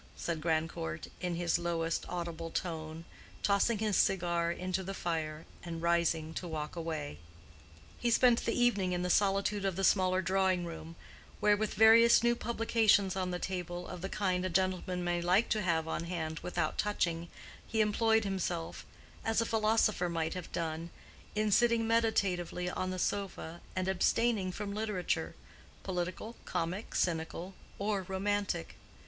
said Grandcourt, in his lowest audible tone, tossing his cigar into the fire, and rising to walk away. He spent the evening in the solitude of the smaller drawing room, where, with various new publications on the table of the kind a gentleman may like to have on hand without touching, he employed himself (as a philosopher might have done) in sitting meditatively on the sofa and abstaining from literature—political, comic, cynical, or romantic.